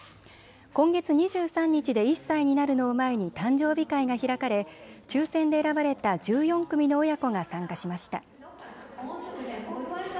今月２３日で１歳になるのを前に誕生日会が開かれ抽せんで選ばれた１４組の親子が参加しました。